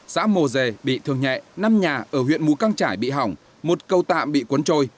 xã mồ dề bị thương nhẹ năm nhà ở huyện mù căng trải bị hỏng một cầu tạm bị cuốn trôi